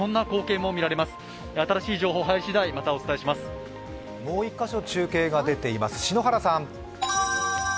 もう一カ所中継が出ています、篠原さん。